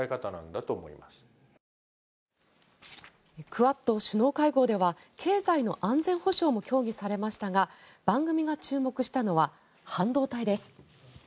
クアッド首脳会合では経済の安全保障も協議されましたが番組が注目したのは半導体です。